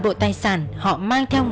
qua nhà không